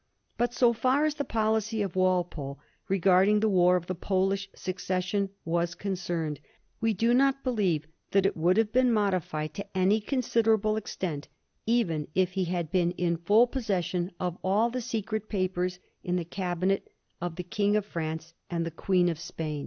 But, so far as the policy of Walpole regarding the war of the Polish Succession was concerned, we do not be lieve that it would have been modified to any considerable extent, even if he had been in full possession of all the se cret papers in the cabinet 6f the King of France and the Queen of Spain.